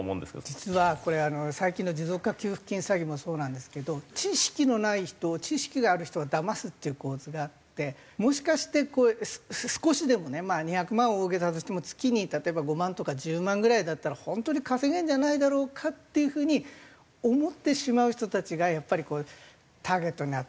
実は最近の持続化給付金詐欺もそうなんですけど知識のない人を知識がある人がだますっていう構図があってもしかして少しでもね２００万は大げさだとしても月に例えば５万とか１０万ぐらいだったらホントに稼げるんじゃないだろうかっていうふうに思ってしまう人たちがやっぱりターゲットになってるなと思うんですね。